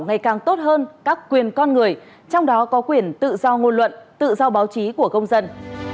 ngày càng tốt hơn các quyền con người trong đó có quyền tự do ngôn luận tự do báo chí của công dân